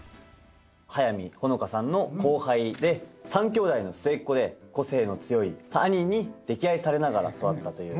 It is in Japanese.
速見穂香さんの後輩で３兄弟の末っ子で個性の強い兄に溺愛されながら育ったという。